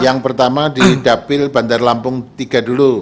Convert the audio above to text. yang pertama di dapil bantar lampung tiga dulu